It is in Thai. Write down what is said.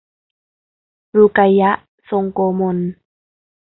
รูไกยะฮ์ ทรงโกมล